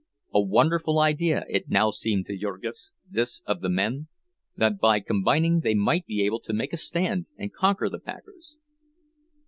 A wonderful idea it now seemed to Jurgis, this of the men—that by combining they might be able to make a stand and conquer the packers!